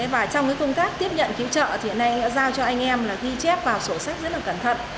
và trong công tác tiếp nhận cứu trợ thì hiện nay đã giao cho anh em là ghi chép vào sổ sách rất là cẩn thận